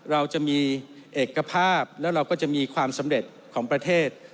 เราจะมีเอกภาพแล้วเราก็จะมีความสำเร็จของประเทศ